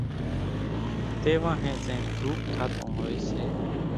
تيوانھين زين ڌوپ ٿاتون ھوئي سي